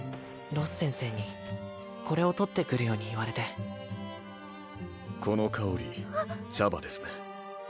ロス先生にこれを取ってくるように言われてこの香り茶葉ですね